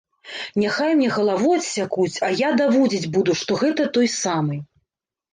Няхай мне галаву адсякуць, а я даводзіць буду, што гэта той самы.